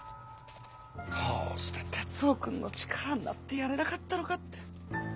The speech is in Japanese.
どうして徹生君の力になってやれなかったのかって。